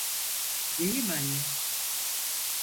İyiyim anne.